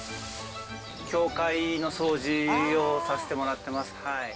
教会の掃除をさせてもらってます。